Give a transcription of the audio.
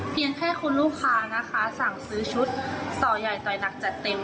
เพียงแค่คุณลูกค้านะคะสั่งซื้อชุดต่อใหญ่ต่อยหนักจัดเต็ม